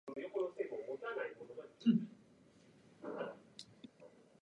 オレゴン州の州都はセイラムである